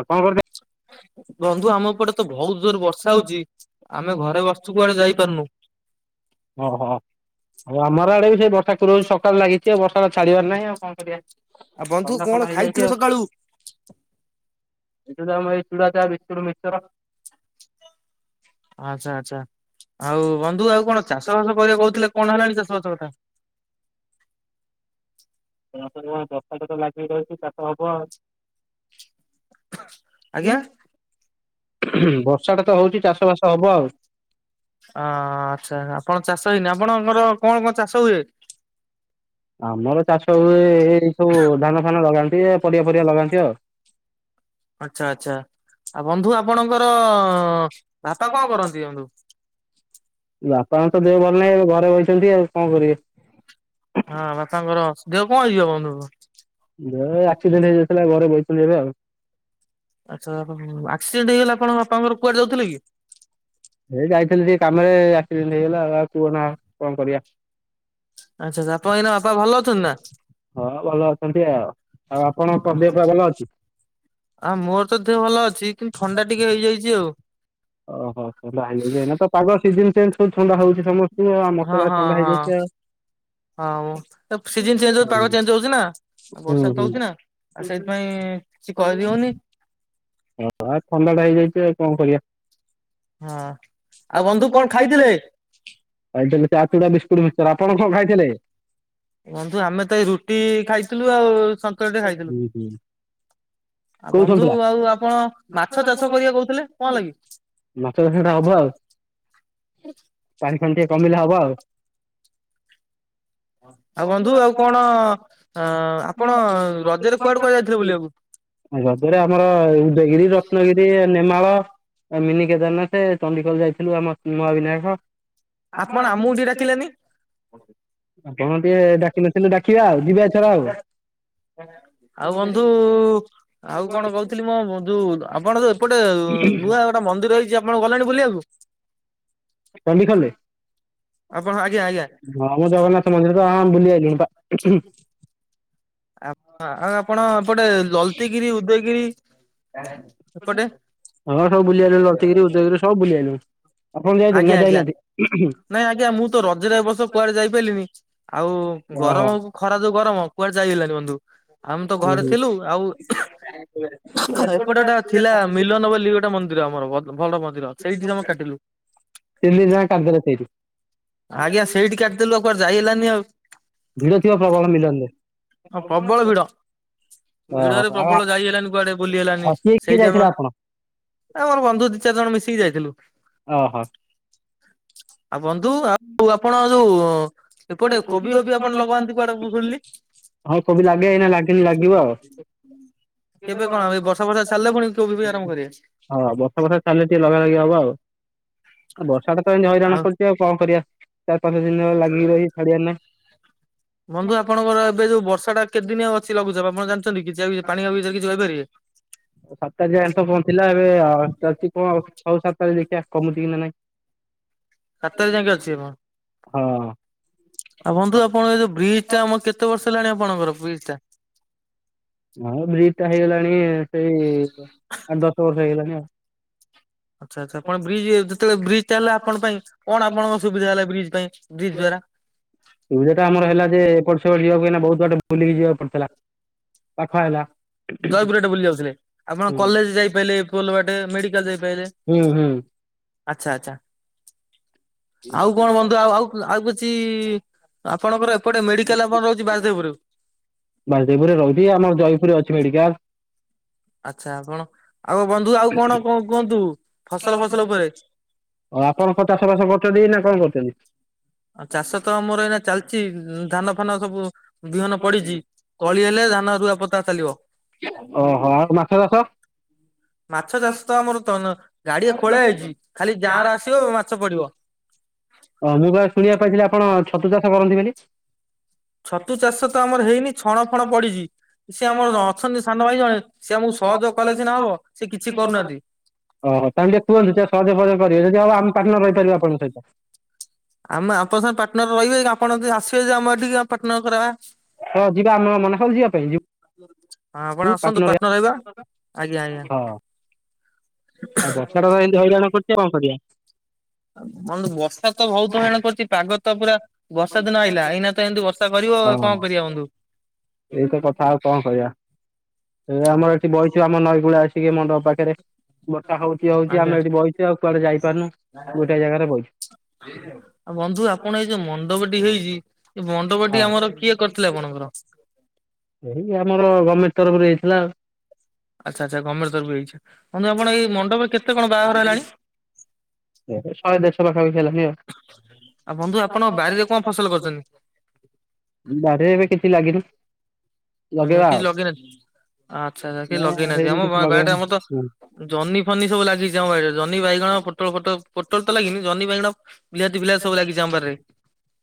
ଆଉ କଣ କରିଦେ ବନ୍ଧୁ ଆମ ପଟେ ତ ଭୋଉତ ଜୋରେ ବର୍ଷା ହୋଉଚି ଆମେ ଘରେ ବସଚୁ କୁଆଡେ ଯାଇପାରୁନୁ। ଓହୋ। ଆଉ ଆମର ଆଡେ ବି ସେଇ ବର୍ଷା ତୁର ସକାଳୁ ଲାଗିଚି ଆଉ ବର୍ଷା ତ ଛାଡିବାର ନାହିଁ ଆଉ କଣ କରିବା। ଆଉ ବନ୍ଧୁ ଥଣ୍ଡା କଣ ଫଣ୍ଡା ଖାଇଥିଲେ ହେଇଯାଇଚି ଆଉ। ସକାଳୁ? ଆମ ଏଇ ଚୁଡ଼ା, ଚାଆ, ବିସ୍କୁଟ, ମିକ୍ସର। ଆଚ୍ଛା ଆଚ୍ଛା ଆଉ ବନ୍ଧୁ ଆଉ ବର୍ଷା କଣ ଟା ଚାଷ ବାସ କରିବାକୁ କହୁଥିଲେ କଣ ହେଲାଣି ଚାଷବାସ କଥା? [unintelligible] ଦଶାଟା ତ ଲାଗି ରହୁଚି ଚାଷ ହବ ଆଉ। ଆଜ୍ଞା? ବର୍ଷାଟା ତ ହୋଉଚି ଚାଷବାସ ହବ ଆଉ। ଅ ଆଚ୍ଛା ଆପଣ ଚାଷ ହେଇନି ଆପଣଙ୍କର କଣ କଣ ଚାଷ ହୁଏ? ଆମର ଚାଷ ହୁଏ ଏଇ ସବୁ ଧାନ ଫାନ ଲଗାନ୍ତି ପରିବା ପରିବା ଲଗାନ୍ତି ଆଉ। ଆଚ୍ଛା ଆଚ୍ଛା ଆଉ ବନ୍ଧୁ ଆପଣଙ୍କର ବାପା କଣ କରନ୍ତି ବନ୍ଧୁ? ବାପା ମା ତ ଦେହ ଭଲ ନାହିଁ ଏ ଘରେ ରହିଛନ୍ତି ଆଉ କଣ କରିବେ? ହଁ ବାପାଙ୍କର ଦେହ କଣ ହେଇଯିବ ବନ୍ଧୁ? ମୋର ଆକ୍ସିଡେଣ୍ଟ ହେଇଯାଇଥିଲା ଘରେ ବହିସଥିଲି ଏବେ ଆଉ। ଆଚ୍ଛା ଆକ୍ସିଡେଣ୍ଟ ହେଇଗଲା କଣ ବାପାଙ୍କର କୁଆଡେ ଯାଉଥିଲେ କି? ହେଇ ଯାଇଥିଲି ଟିକେ କାମରେ ଆକ୍ସିଡେଣ୍ଟ ହେଇଗଲା ଆଉ ଆଉ କୁହ ନା କଣ କରିବା। ଆଚ୍ଛା ଆପଣ ବାପା ଭଲ ଅଛନ୍ତି ନା? ହଁ ଭଲ ଅଛନ୍ତି ଆଉ। ଆଉ ଆପଣ କଣ ଦେହ ପ ଭଲ ଅଛି? ଆଁ ମୋର ତ ଦେହ ଭଲ ଅଛି କିନ୍ତୁ ଥଣ୍ଡା ଟିକେ ହେଇଯାଇଛି ଆଉ। ଓହୋ ତ ପାଗ ସିଜନ ଚେଞ୍ଜ ସବୁ ଥଣ୍ଡା ହଉଛି ସମସ୍ତେ ତୁ ହଁ ମତେ ବା ହଁ ଥଣ୍ଡା ହଁ ହେଇଯାଇଛ। ହଁ ସିଜନ ଚେଞ୍ଜ ହଉ ପାଗ ଚେଞ୍ଜ ହଉଛି ନା। ହୁଁ ବର୍ଷା ହୁଁ ହୁଁ ହଉଛି ନା ଆଉ ସେଇଥିପାଇଁ କିଛି କରିହଉନି। ଓହ ଆଉ ଥଣ୍ଡା ଟା ହେଇଯାଇଛି ଆଉ କଣ କରିବା। ହଁ ଆଉ ବନ୍ଧୁ କଣ ଖାଇଥିଲେ? ଆାଇ ଚା, ଚୁଡା, ବିସ୍କୁଟ, ମିକ୍ସଚର। ଆପଣ କଣ ଖାଇଥିଲେ? ବନ୍ଧୁ ଆମେ ତ ଏଇ ରୁଟି ଖାଇଥିଲୁ ଆଉ ସନ୍ତରା ଟ ଖାଇଥିଲୁ। ହୁଁ ହୁଁ ଆଉ କୋଉ ବନ୍ଧୁ ସନ୍ତୁଳା? ଆଉ ଆପଣ ମାଛ ଚାଷ କରିବାକୁ କହୁଥିଲେ କଣ ଲାଗି? ମାଛ ଚାଷ ଟା ହବ ଆଉ ଚାରି ଖା ଟିକେ କମିଲେ ହବ ଆଉ। ଆଉ ବନ୍ଧୁ ଆଉ କଣ ଅ ଆପଣ ରଜରେ କୁଆଡେ କୁହା ଯାଇଥିଲେ ବୁଲିଆକୁ। ଗଜରେ ଆମର ଉଦୟଗିରି, ରତ୍ନଗିରି, ନେମାଳ ମିନି କେଦାରନାଥ ଚଣ୍ଡିଖୋଲ ଯାଇଥିଲୁ ଆମ ମହାବିିନାୟକ। ଆପଣ ଆମକୁ ଟିକେ ଡାକିଲେନି। ଆ କଣ ଟିକେ ଡାକିନଥିଲେୁ ଡାକିବା ଆଉ ଯିବା ଛଡା ଆଉ। ଆଉ ବନ୍ଧୁ ଆଉ କଣ କହୁଥିଲି ମଁ ଯୋଉ ଆପଣ ଯୋଉ ଏପଟେ ନୂଆ ଗୋଟେ ମନ୍ଦି ରହିଛି ଆପଣ ଗଲାଣି ବୁଲିବାକୁ? ଚଣ୍ଡିଖୋଲରେ। ଆପଣ ଆଜ୍ଞା ଆଜ୍ଞା। ହଁ ମୁଁ ଜଗନ୍ନାଥ ମନ୍ଦିର ତ ବୁଲି ଆଇଲିଣି। ଆଉ ଆପଣ ଏପଟେ ଲଲତିଗିରି, ଉଦୟଗିରି ଏପଟେ ହଁ ସବୁ ବୁଲିିବାଲେ ଲଲତିଗିରି, ଉଦୟଗିରି ସବୁ ବୁଲି ଆଲୁ ଆପଣ ଯାଇ ଆଜ୍ଞା ନା ଆଜ୍ଞା ଯାଇନାହାନ୍ତି? ନାଇଁ ଆଜ୍ଞା ମୁଁ ତ ରଜରେ ଏ ବର୍ଷ କୁଆଡେ ଯାଇପାରିଲିନି ଆଉ ଓହୋ। ଗରମ ହବ ଖରା ଦୁ ଗରମ କୁଆଡେ ଯାଇଗଲାନି ବନ୍ଧୁ ଆମେ ତ ହୁଁ ଘରେ ହୁଁ ଥିଲୁ ଆଉ। ଏପଟେଟା ଥିଲା ମିଲନ ବୋଲି ଗୋଟେ ମନ୍ଦିର ଆମର ଭଲ ମନ୍ଦିର ସେଇଠି ଆମେ କାଟିଲୁ। ତିନି ଦିନ ଯାକ କାଟିଦେଲେ ସେଇଠି। ଆଜ୍ଞା ସେଇଠି କାଟିଦେଲୁ କୁଆେ ଯାଇ ହେଲାନି ଆଉ। ଭିଡ ଥିବା ପ୍ରବଳ ମିଲନ୍ତେ। ହଉ ପ୍ରବଳ ଭିଡ। ଓହୋ ଭିଡରେ ଆଉ ପ୍ରବଳ ଯାଇ ହେଲାନି କୁଆଡେ ବୁଲି ହେଲାନି ଆଉ କିଏ କିଏ ଯାଇଥିଲେ ସେଇଠିମ ଆପଣ? ଆ ମୋର ବନ୍ଧୁ ଦି, ଚାରି ଜଣ ମିଶିକି ଯାଇଥିଲୁ। ଓହୋ। ଆଉ ବନ୍ଧୁ ଆଉ ଆପଣ ଯୋଉ ଏପଟେ କୋବି ହୋବି ଆପଣ ଲଗାନ୍ତି କୁଆଡେ ଶୁଣିଲି? ହଁ କୋବି ଲାଗେ ଏଇ ଲାଗେନି ଲାଗିବ ଆଉ। କେବେ କଣ ଏ ବର୍ଷା ବର୍ଷା ଛାଡ଼ିଲେ ପୁଣି କୋବି ବି ଆରମ୍ଭ କରିବେ? ହଁ ବର୍ଷା ବର୍ଷା ଛାଡିଲେ ଟିକେ ଲଗା ଲଗି ହବ ଆଉ ବର୍ଷାଟା ତ ହଇରାଣ କରୁଛି ଆଉ। କଣ କରିବା ଚାରି, ପାଞ୍ଚ ଦିନ ଲାଗିକି ରହି ଛାଡିବାର ନାହିଁ ବନ୍ଧୁ ଆପଣଙ୍କର ଏବେ ଯୋଉ ବର୍ଷା ଟା କେଦିନି ଅଛି ଲଘୁଚାପ ଆପଣ ଜାଣିଛନ୍ତି କିଛି ପାଣିପାଗ କିଛି କହିପାରିବେ? ସାତ ଯେ ଆଠ ପହଞ୍ଚିଲା ଏବେ ଅଛି କଣ ସଉ ସାତଟାର ଦେଖିବା କମୁଛି କି ନା ନାଇଁ। ସାତ ତାରିଖ ଯାଇକି ଅଛିି ମ। ହଁ ଆଉ ବନ୍ଧୁ ଆପଣଙ୍କ ଏ ଯୋଉ ବ୍ରିଜ ଟା ଆମର କେତେ ବର୍ଷ ହେଲାଣି ଆପଣଙ୍କର ବ୍ରିଜ ଟା? ହଁ ବ୍ରିଜ ଟା ହେଇଗଲାଣି ସେଇ ଆଠ, ଦଶ ବର୍ଷ ହେଇଗଲାଣି ଆଉ। ଆଛା ଆଛା ଆପଣ ବ୍ରିଜ୍ ଯେତେବେଳେ ବ୍ରିଜ ହେଲା ଆପଣ ପାଇଁ କଣ ଆପଣଙ୍କ ସୁବିଧ ହେଲା ବ୍ରିଜ୍ ପାଇଁ? ବ୍ରିଜ ଦ୍ଵାରା? ସୁବିଧା ଟା ଆମର ହେଲା ଯେ ଏପଟେ ସେପଟ ଯିବାକୁ ଏ ନା ବହୁତ ବାଟ ଭୁଲିକି ଯିବାକୁ ପଡିଥିଲା। ଫ ଲା। ଜୟପୁରଟେ ବୁଲି ଯାଉଥିଲେ ଆପଣ କଲେଜ ଯାଇପାରଲେ ପୋଲବାଟେ ମେଡିକାଲ ଯାଇପାରିଲେ। ହୁଁ, ହୁଁ। ଆଛା ଆଛା ଆଉ କଣ ବନ୍ଧୁ ଆଉ ଆଉ କିଛି ଆପଣଙ୍କର ଏପଟେ ମେଡିକାଲ ଆପଣ ରହୁଛି ବାସୁଦେବପୁରୁ। ବାସୁଦେବପୁରରେ ରହୁଛି ଆମର ଜୟପୁରରେ ଅଛି ମେଡିକାଲ। ଆଛା ଆପଣ ଆଉ ବନ୍ଧୁ ଆଉ କଣ କୁହନ୍ତୁ ଫସଲ ଫସଲ ଉପରେ ଆଉ ଆପଣଙ୍କ ଚାଷ ବାସ କରୁଛନ୍ତି ନା କଣ କରୁଛନ୍ତି? ଆଉ ଚାଷ ତ ଆମର ଏଇ ଚାଲିଛି ଧାନ ଫାନ ସବୁ ବିହନ ପଡିଛି। କଳି ହେଲେ ଧାନ ରୁଆ ପୋତା ଚାଲିବ। ଓ ହୋ ଆଉ ମାଛ ଚାଷ। ମାଛ ଚାଷ ତ ଆମର ତନ ଗାଡିଆ ଖୋଳା ହେଇଛି ଖାଲି ଗାଁର ଆସିବ ମାଛ ପଡିବ। ହଁ ମୁଁ କ ଶୁଣିବାକୁ ପାଇଥିଲି ଆପଣ ଛତୁ ଚାଷ କରନ୍ତି ବୋଲି। ଛତୁ ଚାଷ ତ ଆମର ହେଇନି ଛଣ ଫଣ ପଡିଛି। ସିଏ ଆମର ଅଛନ୍ତି ସାନ ଭାଇ ଜଣେ ସି ଆମକୁ ସହଯୋଗ କଲେ ସିନା ହବ ସେ କିଛି କରୁନାହାନ୍ତି। ଓହ ତାକୁ ଟିକେ କୁହନ୍ତୁ। ଯେ ସହଯୋଗ ଫଯୋଗ କରିବେ ଯଦି ହବ ଆମେ ପାର୍ଟନର ରହିପାରିବା ଆପଙ୍କ ସହିତ। ଆମେ ଆପଣ ସାଙ୍ଗେ ପାଟନର ରହିବେ କି ଆପଣ ଯଦି ଆସିବେ ଯେ ଆମ ଅଥିକି ପାଟନର କରବା। ହଁ ଯିବା ଆମେ ମନା ହେଉଛି ଯିବା ପାଇଁ ଯି ହଁ ଆପଣ ଆସନ୍ତୁ ପାଟନର ରହିବା ଆଜ୍ଞା ଆଜ୍ଞା। ସେଟା ଏମତି ହଇରାଣ କରୁଛ କଣ କରିବା? ବନ୍ଧୁ ବର୍ଷା ତ ବହୁତ ହଇରାଣ କରୁଛି ପାଗ ତ ପୁରା ବର୍ଷା ଦିନ ଆଇଲା ଏଇନା ତ ଏମିତି ବର୍ଷା କରିବ ଆଉ ହଁ କଣ କରିବା ବନ୍ଧୁ। ଏଇତ କଥା ଆଉ କଣ କହିବା ଏ ଆମର ଏଠି ବୈଛୁ ଆମ ନଈ କୂଳ ଆସିକି ମଣ୍ଡପ ପାଖରେ। ବୋଟା ହଉଛି ହଉଛି ଆଜ୍ଞା ଆମେ ଏଠି ବହିଛୁ ଆଉ କୁଆଡେ ଯାଇପାରୁନୁ ଆ ଗୋଟେ ଜାଗାରେ ବହିଛୁ। ଆଉ ବନ୍ଧୁ ଆପଣ ଏଇ ଯୋଉ ମଣ୍ଡପଟି ହେଇଛି ଏ ହଁ ମଣ୍ଡପଟି ଆମର କିଏ କରିଥିଲେ ଆପଣଙ୍କର। ଏଇ ଆମର ଗମେଟେ ତରଫରୁ ହେଇଥିଲା ଆଉ ଆଛା ଆଛା ଗମେଟ ତରଫରୁ ହେଇଛି ବନ୍ଧୁ ଆପଣ ଏଇ ମଣ୍ଡପରେ କେତେ କଣ ବାହାଘର ହେଲାଣି? ଶହେ ଦେଢଶ ପାଖା ପାଖି ହେଲାଣି। ଆଉ ବନ୍ଧୁ ଆପଣ ବାରିରେ କଣ ଫସଲ [unintelligible] କରିଛନ୍ତି ବାରି ରେ ଏବେ କିଛି ଲାଗିନି। ଆଛା ଲଗେଇବା କିଛି ଆଉ ଲଗେଇନାହାନ୍ତି ଆଛା ଆଛା କିଛି ନା ଲଗେଇନାହାନ୍ତି ହେଇନି ଆମ କିଛି ବାରିଟେ ଲଗେଇବାନି ଆମର ତ ହୁଁ ଜହ୍ନି ଫନି ସବୁ ଲାଗିଛି ଆମ ବାଇରେ ଜହ୍ନି ବାଇଗଣ ପୋଟ ପୋଟ ପୋଟଳ ତ ଲାଗିନି ଜହ୍ନି ବାଇଗଣ ବିଲହାତି ବିଲାତି ସବୁ ଲାଗିଛି ଆମ ବାରିରେ।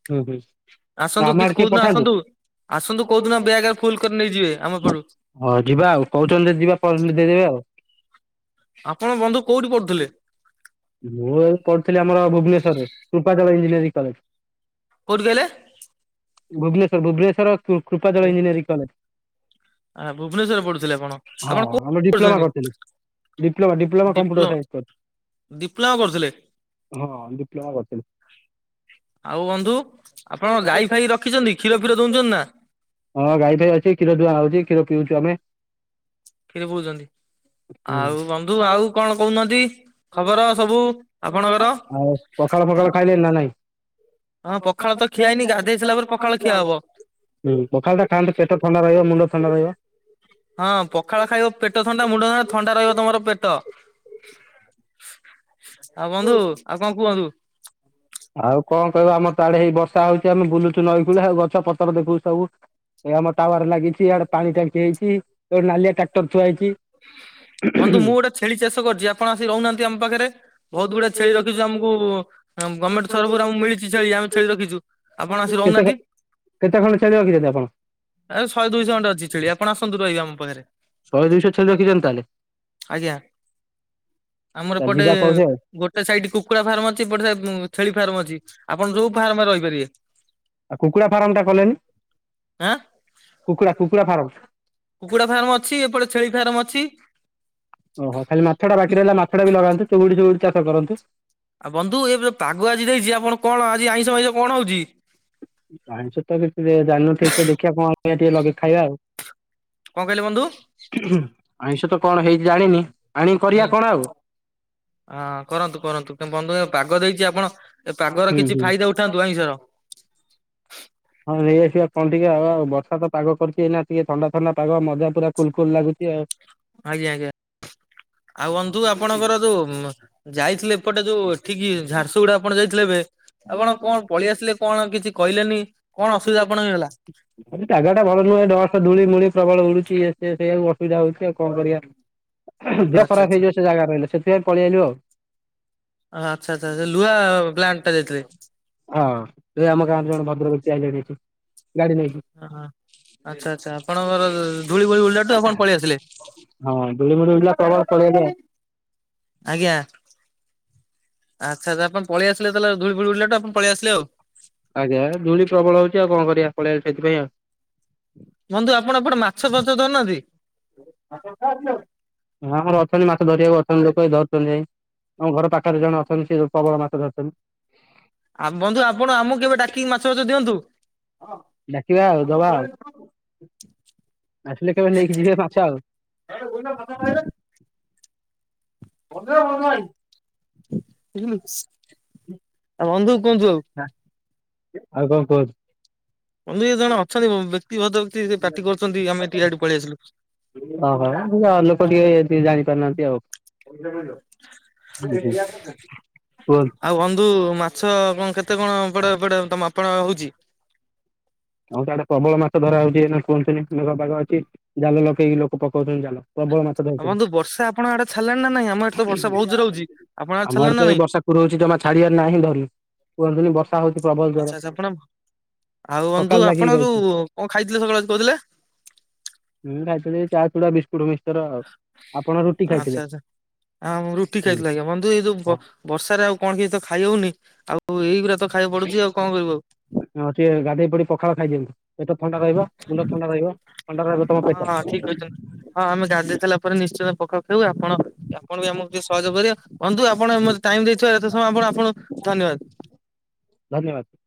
ହୁଁ ହୁଁ ଆସନ୍ତୁ ଆମ କି ଆଡେ କୋଉ ଟିକେ ଦିନ ପଠାନ୍ତୁ ଆସନ୍ତୁ ଆସନ୍ତୁ କୋଉଦିନ ବେଗ ଫୁଲ କରି ନେଇଯିବେ ଆମ ଘରୁ। ହଁ ଯିବା ଆଉ କହୁଛନ୍ତି ଯିବା ପ ଦେଇଦେବେ ଆଉ ଆପଣ ବନ୍ଧୁ କୋଉଠି ପଢୁଥିଲେ? ମୁଁ ଏ ପଢଥିଲି ଆମର ଭୁବନେଶ୍ୱରରେ, କୃପାଦଳ ଇଞ୍ଜିନିୟରିଂ କଲେଜ। କୋଉଠି ଦେଲେ? Bhubaneswar, Bhubaneswar Kripajal engineering college. ଭୁବନେଶ୍ୱରରେ ପଢୁଥିଲେ ଆପଣ ହଁ, ଆପଣ କୋଉ ଆମ ଡିପ୍ଲୋମା କରୁଛନ୍ତି କରିଥିଲି। ଡିପ୍ଲୋମା, ଡିପ୍ଲୋମା କମ୍ପୁଟର ସାଇନ୍ସ କ ଡିପ୍ଲୋମା କରୁଥିଲେ? ହଁ, ଡିପ୍ଲୋମା କରୁଥିଲି। ଆଉ ବନ୍ଧୁ, ଆପଣ ଗାଈ ଫାଇ ରଖିଚନ୍ତି, କ୍ଷୀର ଫିର ଦୁହୁଚନ୍ତି ନା? ହଁ ଗାଇ ଫାଇ ଅଛି, କ୍ଷୀର ଦୁହାଁହଉଚି, କ୍ଷୀର ପିଉଚୁ ଆମେ। କ୍ଷୀର ପିଉଚନ୍ତି, ହୁଁ ଆଉ ବନ୍ଧୁ ଆଉ କଣ କହୁନାହାନ୍ତି, ଖବର ସବୁ ସବୁ ଆପଣଙ୍କର? ପକାଳ ଫଖାଳ ଖାଇଲେଣିନା, ନା ନାଇଁ? ହଁ, ପଖାଳ ତ ଖିଆହେଇନି, ଗାଧଇସାରିଲା ପରେ ପଖାଳ ଖିଆ ହବ। ହୁଁ, ପଖାଳଟା ଖାଆନ୍ତୁ, ପେଟ ଥଣ୍ଡା ରହିବ, ମୁଣ୍ଡ ଥଣ୍ଡା ରହିବ। ହଁ ପଖାଳ ଖାଇବ, ପେଟ ଥଣ୍ଡା, ମୁଣ୍ଡ ଥଣ୍ଡା, ଥଣ୍ଡା ରହିବ ତମର ପେଟ। [unintelligible] ବନ୍ଧୁ ଆଉ କଣ [unintelligible] [unintelligible] ଆଉ କଣ କହିବ, ଆମର ତ ଆଡେ ହେଇ ବର୍ଷା ହଉଚି, ଆମେ ବୁଲୁଚୁ ନଈକୂଳେ ଆଉ, ଗଛ ପତ୍ର ଦେଖୁଚୁ ସବୁ। ଏ ଆମ ଟାୱାର ଲାଗିଚି, ଆଡେ ପାଣି ଟାଙ୍କି ହେଇଚି, ଏଇେ ନାଲିଆ ଟ୍ରାକ୍ଟର ଥୁଆ ହେଇଚି। ବନ୍ଧୁ, ମୁଁ ଗୋଟେ ଛେଳି ଚାଷ କରିଚି, ଆପଣ ଆସି ରହୁନାହାନ୍ତି ଆମ ପାଖରେ। ବହୁତ ଗୁଡା ଛେଳି ରଖିଛୁ ଆମୁକୁ, ଗମେଣ୍ଟ ତରଫରୁ ଆମକୁ ମିଳିଚି ଛେଳି, ଆମେ ଛେଳି ରଖିଛୁ। ଆପଣ ଆସି କେତେ ରହୁନାହାନ୍ତି? କେତେ ଖଣ୍ଡେ ଛେଳି ରଖିଛନ୍ତି ଆପଣ‌? ଏ ଶହେ ଦୁଇଶହ ଖଣ୍ଡେ ଅଛି ଛେଳି ଆପଣ ଆସନ୍ତୁ ରହିବେ ଆମ ପାଖରେ ଶହେ ଦୁଇଶହ ଛେଳି ରଖିଛନ୍ତି ତାହଲେ? ଆଜ୍ଞା। ଆମର ଏପଟେ ଯିବା କହୁଛେ ଆଉ ଗୋଟେ ସାଇଟ କୁକୁଡା ଫାର୍ମ ଅଛି, ଏପଟ ସାଇଟ ଛେଳି ଫାର୍ମ ଅଛି, ଆପଣ ଯୋଉ ଫାର୍ମ ରେ ରହିପାରିବେ। ଆଉ କୁକୁଡ଼ା ଫାରମ ଟା କଲେନି, ଆଁ କୁକୁଡ଼ା କୁକୁଡ଼ା ଫାର୍ମ? କୁକୁଡ଼ା ଫାର୍ମ ଅଛି, ଏପଟେ ଛେଳି ଫାର୍ମ ଅଛି। ଓହୋ, ଖାଲି ମାଛ ଟା ବାକି ରହିଲା, ମାଛ ଟା ବି ଲଗାନ୍ତୁ, ଚୁଙ୍ଗୁଡି ଫିଙ୍ଗୁଢି ଚାଷ କରନ୍ତୁ। ଆଉ ବନ୍ଧୁ ଏ ପାଗ ଆଜି ଦେଇଚି, ଆପଣ କଣ ଆଜି ଆଇଁଷ ଫାଇଁଷ କଣ ହଉଚି? ଜାଣିଚୁ ତ, କିଛି ଜାଣିନୁ ଠିକସେ, ଦେଖିବା କଣ ଆଣିବା ଟିକେ ଲଗେଇ ଖାଇବା ଆଉ। କଣ କହିଲେ ବନ୍ଧୁ? ଆଇଁଷ ତ କଣ ହେଇଚି ଜାଣିନି ଆଣିକି ହୁଁ କରିବା କଣ ଆଉ। ହଁ କରନ୍ତୁ, କରନ୍ତୁ, କଁ ବନ୍ଧୁ ଏ ପାଗ ଦେଇଚି ଆପଣ, ଏ ପାଗର ହୁଁ କିଛି ହୁଁ। ଫାଇଦା ଉଠାନ୍ତୁ ଆାଇଁଷର। ହଁ ନେଇଆସିବା କଣ ଟିକେ ଆଉ, ଆଉ ବର୍ଷା ତ ପାଗ କରୁଚି ଏଇନା ଟିକେ ଥଣ୍ଡା ଥଣ୍ଡା ପାଗ, ମଜା ପୁରା କୁଲ କୁଲ ଲାଗୁଚି ଆଉ। ଆଜ୍ଞା ଆଜ୍ଞା। ଆଉ ବନ୍ଧୁ, ଆପଣଙ୍କର ଯୋଉ ଯାଇଥିଲେ ଏପଟେ ଯୋଉ ଏଠିକି ଝାରସୁଗୁଡା ଆପଣ ଯାଇଥିଲେ ଏବେ ଆପଣ କଣ ପଳେଇ ଆସିଲେ, କଣ କିଛି କହିଲେନି। [unintelligible] କଣ ଅସୁବିଧା ଆପଣଙ୍କ ହେଲା? ସେଠି ଜାଗାଟା ଭଲ ନୁହେଁ, ଡଷ୍ଟ ଧୂଳି ମୂଳି ପ୍ରବଳ ଉଡୁଛି, ଇଏ ସିଏ ସେଇକୁ ଅସୁବିଧା ହଉଚି ଆଉ କଣ କରିବା? ଆଚ୍ଛା ଦେହ ଖରାପ ଆଚ୍ଛା ହେଇଯିବ ସେ ଜାଗାରେ ରହିଲେ, ସେଥିପାଇଁ ପଳେଇ ଆଇଲୁ ଆଉ। ଆଛା ଆଛା, ସେ ଲୁହା ପ୍ଲାଣ୍ଟ ଟା ଯାଇଥିଲେ। ହଁ, ଏଇ ଆମ ଗାଁରେ ଜଣେ ଭଦ୍ର ବ୍ୟକ୍ତି ଆଇଲାଣି ଏଇଠିକି। ହ ଆଚ୍ଛା ଆଚ୍ଛା ଆପଣଙ୍କର ଧୂଳି ଫୂଳି ଉଢିଲାଠୁ ଆପଣ ପଳେଇ ଆସିଲେ। ହଁ ଧୂଳି ମୂଳି ଉଡିଲା ପ୍ରବଳ ପଳେଆଇଲି ଆଉ। ଆଜ୍ଞା। ଆଛା ଆଛା ଆପଣ ପଳେଇ ଆସିଲେ ତାଲେ ଧୁଳି ଫୂଳି ଉଡିଲାଠୁ ଆପଣ ପଳେଇ ଆସେ ଆଉ। ଆଜ୍ଞା ଧୁଳି ପ୍ରବଳ ହଉଚି ଆଉ କଣ କରିବା ପଳେଇଆଇଲି ସେଥିପାଇଁ ଆଉ। ବନ୍ଧୁ ଆପଣ ଏପଟେ ମାଛ ଫଛ ଧରୁ ନାହାନ୍ତି? ହଁ ଆମର ଅଛନ୍ତି ମାଛ ଧରିବାକୁ ଅଛନ୍ତି ଲୋକ ଏ ଧରୁଚନ୍ତି ଯାଇଁକି। ଆମ ଘର ପାଖରେ ଜଣେ ଅଛନ୍ତି ସେ ପ୍ରବଳ ମାଛ ଧରୁଚନ୍ତି। ଆଉ ବନ୍ଧୁ ଆପଣ ଆମକୁ କେବେ ଡାକିକି ମାଛ ଫାଛ ଦିଅନ୍ତୁ। ଡାକିବା ଆଉ ଦବା ଆଉ। [inaudible] ଆସିଲେ କେବେ ନେଇକି ଯିବେ ମାଛ ଆଉ। ଆଉ ବନ୍ଧୁ କୁହନ୍ତୁ। ଆଉ [unintelligible] ଆଉ କଣ କୁଅନ୍ତୁ। ବନ୍ଧୁ ଏ ଜଣେ ଅଛନ୍ତି ବ୍ୟକ୍ତି ଭଦ୍ର ବ୍ୟକ୍ତି ଇଏ ପାଟି କରୁଚନ୍ତି ଆମେ ଟିକେ ଇଆଢେ ପଳେଇ ଆସିଲୁ। ଓହ ଲୋକ ଟିକେ ଜାଣିପାରୁନାହାନ୍ତି ଆଉ। କୁହନ୍ତୁ। ଆଉ ବନ୍ଧୁ ମାଛ କଣ କେତେ କଣ ପଡେ ପଡେ ତ ଆପଣ ହଉଚି? ହଁ ସାଢେ ପ୍ରବଳ ମାଛ ଧରା ହଉଛି ଏଇନେ କୁଇଁଟେଲ ମେଘ ପାଗ ଅଛି ଜାଲ ଲଖେଇକି ଲୋକ ପକଉଚନ୍ତି ଜାଲ। ପ୍ରବଳ ମାଛ ଆଉ ବନ୍ଧୁ ବର୍ଷା ଆପଣଙ୍କ ଆଡେ ଛାଡିଲାଣି ନା ନାଇଁ ଆମ ଏଠି ତ ଧରୁଚନ୍ତି। ବର୍ଷା ବହୁତ ଜୋରେ ହଉଛି ଆପଣଙ୍କ ଆମ ଛାଡିଲାଣି ଆଡେ ନା ତ ଏଇ ନାଇଁ? ବର୍ଷା କୁରୋହୁଚି ଜମା ଛାଡିବାର ନା ହିଁ ଧରୁନି। କୁହନ୍ତୁନି ବର୍ଷା ହଉଚି ପ୍ରବଳ ଆଚ୍ଛା ଯୋରେ। ଆଚ୍ଛା ଆପଣ ଆଉ ବନ୍ଧୁ ଆପଣ ରହିଛି। ଯୋଉ କଣ ଖାଇଥିଲେ ସକାଳେ ଆ କହୁଥିଲେ? ମୁଁ ଖାଇଥିଲି ଚା ଚୁଡା ବିସ୍ ସ୍କୁଟ ମିକ୍ସଚର। ଆଉ ଆପଣ ରୁଟି ଖାଇଥିଲେ? ଆଚ୍ଛା ଆଚଛା ଆ ରୁଟି ଖାଇଥିଲି ଆଜ୍ଞା ବନ୍ଧୁ ଏଇ ଯୋଉ ବର୍ଷାରେ ଆଉ କଣ କିଛି ତ ଖାଇ ହଉନି ଆଉ ଏଇଗୁଡା ତ ଖାଇବା ପଡୁଚି ଆଉ କଣ କରିବୁ ଆଉ। ହଁ ଟିକଏ ଗାଧେଇ ପଡି ପଖାଳ ଖାଇ ଦିଅନ୍ତୁ ପେଟ ଥଣ୍ଡା ରହିବ ମୁଣ୍ଡ ଥଣ୍ଡା ରହିବ। ଥଣ୍ଡା ରହିବ ତମ ଆଉ ପେଟ। ହଁ ହଁ ଠିକ କହିଛନ୍ତି। ହଁ ଆମେ ଗାଧେଇସଇଲା ପରେ ନିଶ୍ଚିତ ପଖାଳ ଖାଇବୁ ଆପଣ ଆପଣ ବି ଆମକୁ ଟିକେ ସହଜଯୋଗ କରିବେ। ବନ୍ଧୁ ଆ ଆପଣ ମତେ ଟାଇମ ଦେଇଥିବ ଏତେ ସମୟ ଆପଣ ଆପଙ୍କୁ ଧନ୍ୟବାଦ। ଧନ୍ୟବାଦ।